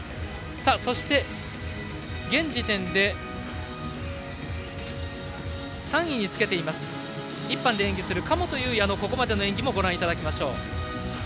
そして現時点で３位につけている１班で演技する神本雄也のここまでの演技をご覧いただきましょう。